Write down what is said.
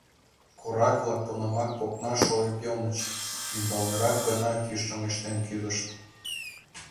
Корак-влак тунамак копна шойык йомыч, умбалнырак гына кӱш чоҥештен кӱзышт.